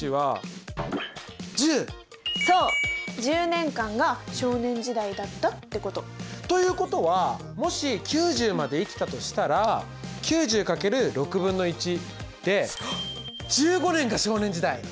１０年間が少年時代だったってこと。ということはもし９０まで生きたとしたら９０×で１５年が少年時代！